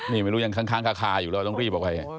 นี่ไม่รู้ยังค้างคาอยู่เราต้องรีบออกไป